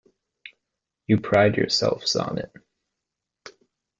You pride yourselves on it.